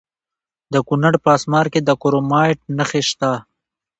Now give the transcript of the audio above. د کونړ په اسمار کې د کرومایټ نښې شته.